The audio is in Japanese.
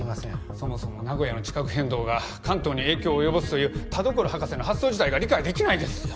そもそも名古屋の地殻変動が関東に影響を及ぼすという田所博士の発想自体が理解できないですよ